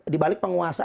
di balik penguasa